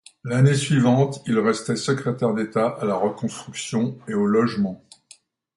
L’année suivante, il restait secrétaire d’État à la reconstruction et au logement.